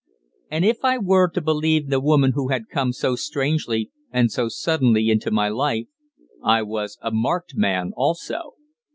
And if I were to believe the woman who had come so strangely and so suddenly into my life, I was a marked man also.